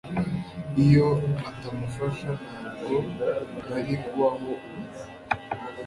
Iyo atamufasha ntabwo nari kubaho ubu